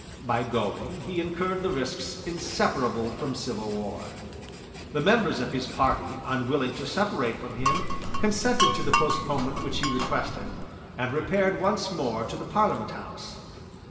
By going he incurred the risks inseparable from civil war. The members of his party, unwilling to separate from him, consented to the postponement which he requested, and repaired once more to the Parliament House.